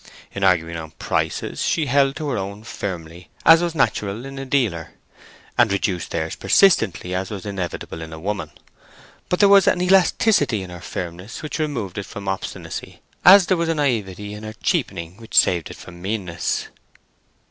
In arguing on prices, she held to her own firmly, as was natural in a dealer, and reduced theirs persistently, as was inevitable in a woman. But there was an elasticity in her firmness which removed it from obstinacy, as there was a naïveté in her cheapening which saved it from meanness.